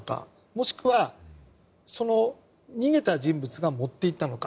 もしくはその逃げた人物が持って行ったのか。